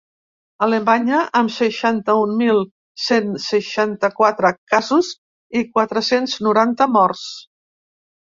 Alemanya, amb seixanta-un mil cent seixanta-quatre casos i quatre-cents noranta morts.